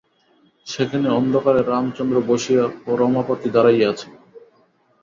সেখানে অন্ধকারে রামচন্দ্র বসিয়া, ও রমাপতি দাঁড়াইয়া আছেন।